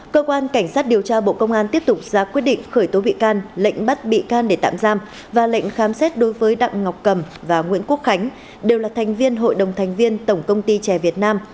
cơ quan cảnh sát điều tra bộ công an tiếp tục ra quyết định khởi tố bị can lệnh bắt bị can để tạm giam và lệnh khám xét đối với đặng ngọc cầm và nguyễn quốc khánh đều là thành viên hội đồng thành viên tổng công ty trẻ việt nam